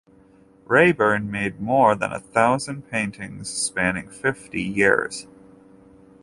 Raeburn made more than a thousand paintings spanning fifty years.